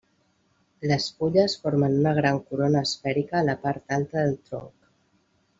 Les fulles formen una gran corona esfèrica a la part alta del tronc.